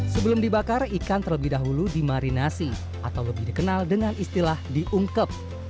sebelum dibakar ikan terlebih dahulu dimarinasi atau lebih dikenal dengan istilah diungkep